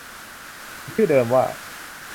มีชื่อเดิมว่า